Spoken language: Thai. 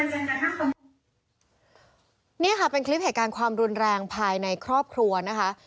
นี่ค่ะเป็นคลิปเหตุการณ์ความรุนแรงภายในครอบครัวนะคะ